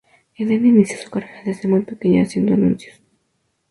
Eden inició su carrera desde muy pequeña, haciendo anuncios.